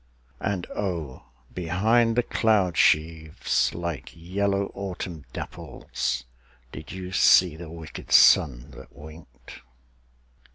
And oh, behind the cloud sheaves, like yellow autumn dapples, Did you see the wicked sun that winked?